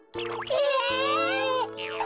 え！？